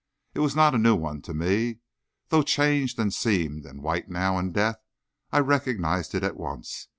It was not a new one to me. Though changed and seamed and white now in death, I recognized it at once.